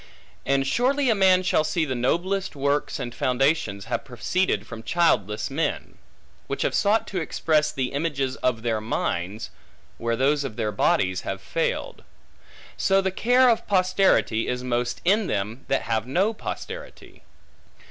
And surely a man shall see the noblest works and foundations have proceeded from childless men; which have sought to express the images of their minds, where those of their bodies have failed. So the care of posterity is most in them, that have no posterity.